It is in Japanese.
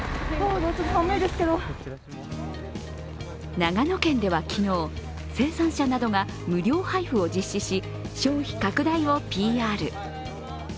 長野県では昨日生産者などが無料配布を実施し消費拡大をＰＲ。